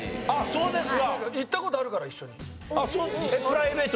そうですか。